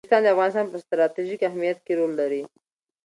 نورستان د افغانستان په ستراتیژیک اهمیت کې رول لري.